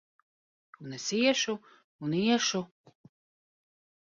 Un es iešu un iešu!